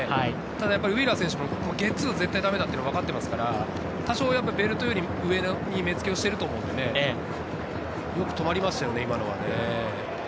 ただウィーラー選手もゲッツーは絶対だめだというのは分かってますから、ベルトより上に目付けをしてると思うので止まりましたよね。